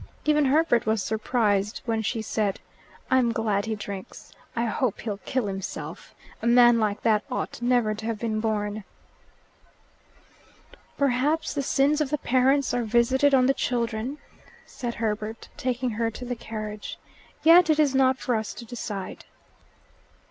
Even Herbert was surprised when she said, "I'm glad he drinks. I hope he'll kill himself. A man like that ought never to have been born." "Perhaps the sins of the parents are visited on the children," said Herbert, taking her to the carriage. "Yet it is not for us to decide."